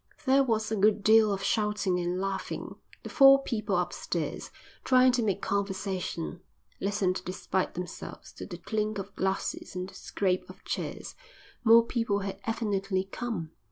There was a good deal of shouting and laughing. The four people upstairs, trying to make conversation, listened despite themselves to the clink of glasses and the scrape of chairs. More people had evidently come.